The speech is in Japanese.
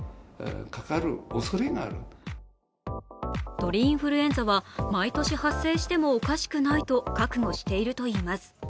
鳥インフルエンザは毎年発生してもおかしくないと覚悟しているといいます。